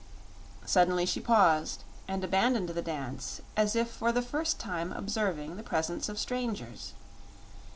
Suddenly she paused and abandoned the dance, as if for the first time observing the presence of strangers.